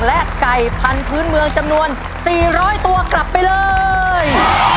และไก่พันธุ์เมืองจำนวน๔๐๐ตัวกลับไปเลย